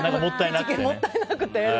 もったいなくて。